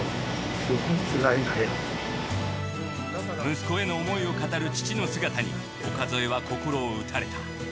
息子への思いを語る父の姿に岡副は心を打たれた。